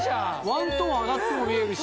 ワントーン上がっても見えるし。